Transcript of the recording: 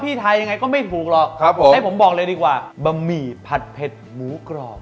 ไทยยังไงก็ไม่ถูกหรอกครับผมให้ผมบอกเลยดีกว่าบะหมี่ผัดเผ็ดหมูกรอบ